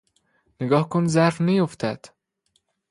نگاه کن ظرف نیفتد